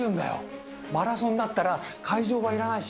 マラソンだったら会場はいらないし。